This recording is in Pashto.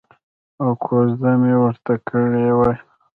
او کوزده مې ورته کړې وه.